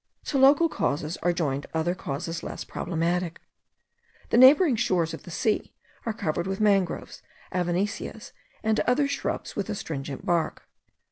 To local causes are joined other causes less problematic. The neighbouring shores of the sea are covered with mangroves, avicennias, and other shrubs with astringent bark.